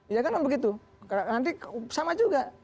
ya kan begitu nanti sama juga